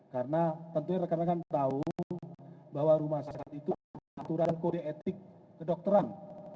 karena tentunya rekan rekan tahu bahwa rumah sakit itu aturan kode etik kedokteran